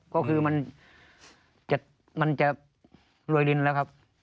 ก็คือมันจะรวยลินแล้วครับ